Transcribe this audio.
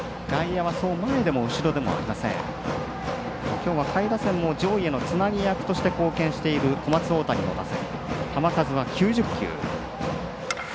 きょうは下位打線も上位へのつなぎ役として貢献している小松大谷の打線。